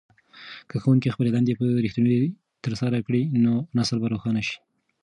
که ښوونکي خپلې دندې په رښتینولۍ ترسره کړي نو نسل به روښانه شي.